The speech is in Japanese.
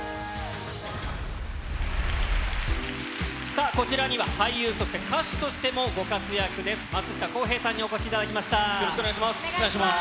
さあ、こちらには俳優、そして歌手としてもご活躍です、松下洸平さんにお越しいただきまよろしくお願いします。